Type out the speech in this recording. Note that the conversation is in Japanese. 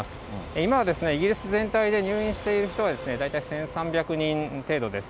今はイギリス全体で入院している人は大体１３００人程度です。